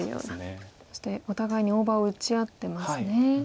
そしてお互いに大場を打ち合ってますね。